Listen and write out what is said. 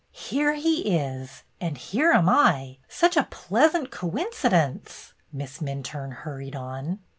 Here he is. And here am 1 . Such a pleasant coincidence!" Miss Minturne hurried on.